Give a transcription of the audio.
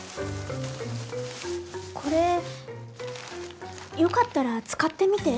これよかったら使ってみて。